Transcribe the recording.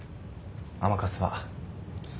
甘春は。